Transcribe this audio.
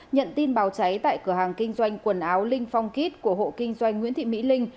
nhận tin báo cháy tại cửa hàng kinh doanh quần áo linh phong kiết của hộ kinh doanh nguyễn thị mỹ linh